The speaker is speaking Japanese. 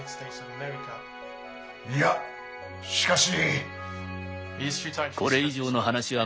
いやしかし。